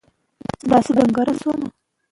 علم غبار ختموي.